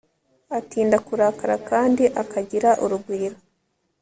atinda kurakara kandi akagira urugwiro